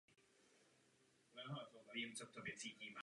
Německá menšina tvořila ne více než několik desítek jedinců.